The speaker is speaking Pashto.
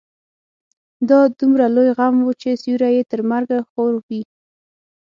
دا دومره لوی غم و چې سيوری يې تر مرګه خور وي.